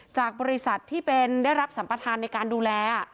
จากบริษัทที่เป็นได้รับสัมประธานในการดูแล